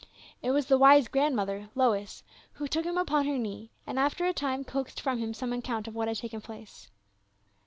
It was the wise grandmother, Lois, who took him upon her knee, and after a time coaxed from him some account of what had taken place.